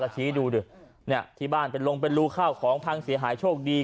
ชีดูนะคะที่บ้านลงไปลูกเข้าของผ้าสีหายช่วงดี